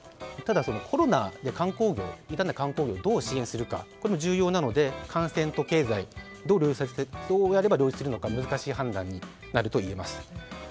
ただ、コロナで傷んだ観光業をどう支援するかこれも重要なので、感染と経済どうやれば両立できるか難しい判断になると思います。